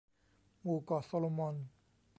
หมู่เกาะโซโลมอน